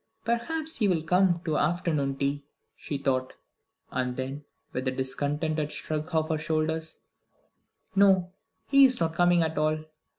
"Perhaps he will come to afternoon tea," she thought; and then, with a discontented shrug of her shoulders: "No, he is not coming at all.